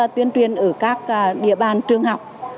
tuyên truyền ở các địa bàn trường học